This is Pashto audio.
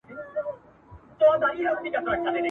دا يې زېری دطغيان دی !.